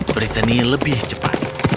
brittany lebih cepat